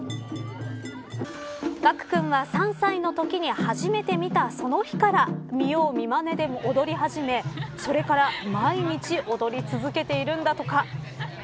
岳玖君は３歳のときに初めて見たその日から見よう見まねで踊り始めそれから毎日踊り続けているんだとか。